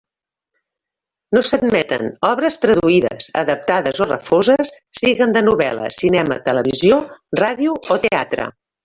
No s'admeten obres traduïdes, adaptades o refoses, siguen de novel·la, cinema, televisió, ràdio o teatre.